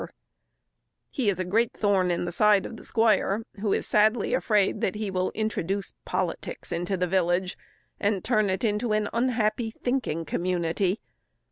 [Illustration: The Village Politician] He is a great thorn in the side of the squire, who is sadly afraid that he will introduce politics into the village, and turn it into an unhappy, thinking community.